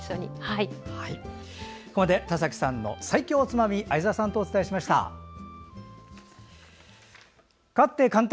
ここまで田崎さんの最強おつまみ相沢さんとお伝えしました。